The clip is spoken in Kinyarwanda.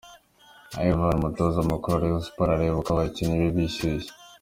Ivan Minaert Umutoza mukuru wa Rayon Sports areba uko abakinnyi be bishyushya.